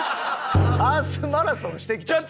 アースマラソンしてきた人。